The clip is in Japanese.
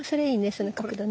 その角度ね。